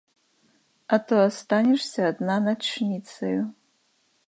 А то астанешся адна начніцаю.